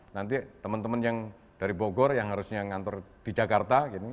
nanti teman teman yang dari bogor yang harusnya ngantor di jakarta